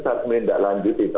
saya tidak lanjut